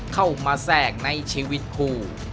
เข้ามาแทรกในชีวิตคู่